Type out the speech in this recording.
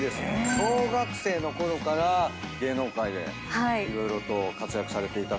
小学生のころから芸能界で色々と活躍されていたと。